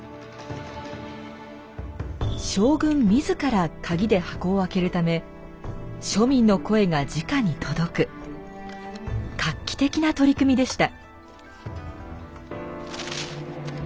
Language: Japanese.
将軍自ら鍵で箱を開けるため庶民の声がじかに届く画期的な取り組みでした。